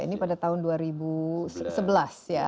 ini pada tahun dua ribu sebelas ya